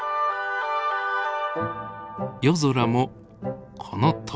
夜空もこのとおり。